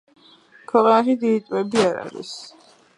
ქვეყანაში დიდი ტბები არ არის.